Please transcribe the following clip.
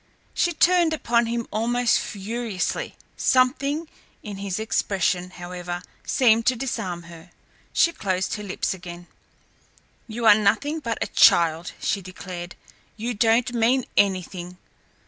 She turned upon him almost furiously. Something in his expression, however, seemed to disarm her. She closed her lips again. "You are nothing but a child!" she declared. "You don't mean anything.